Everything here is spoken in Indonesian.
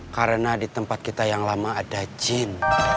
karena di tempat kita yang lama ada jin